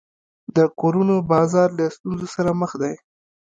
د کورونو بازار له ستونزو سره مخ دی.